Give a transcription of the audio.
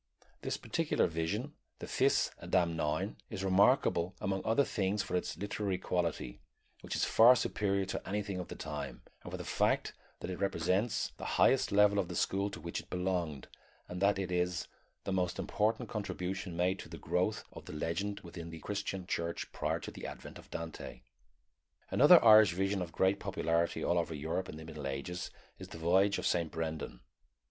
This particular vision, the Fis Adamnáin, is remarkable among other things for its literary quality, which is far superior to anything of the time, and for the fact that it represents "the highest level of the school to which it belonged," and that it is "the most important contribution made to the growth of the legend within the Christian Church prior to the advent of Dante." Another Irish vision of great popularity all over Europe in the Middle Ages is the Voyage of Saint Brendan.